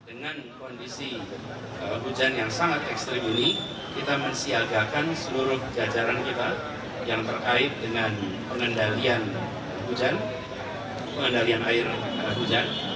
dengan kondisi hujan yang sangat ekstrim ini kita mensiagakan seluruh jajaran kita yang terkait dengan pengendalian hujan pengendalian air hujan